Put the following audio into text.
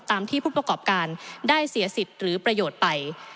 ที่ผู้ประกอบการได้เสียสิทธิ์หรือประโยชน์ไป